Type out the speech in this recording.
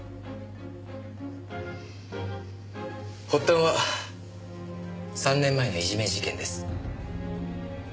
発端は３年前のいじめ事件です。